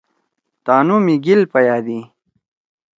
تانو می گیل پیادی۔